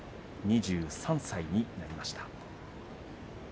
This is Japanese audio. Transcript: ２３歳になりました。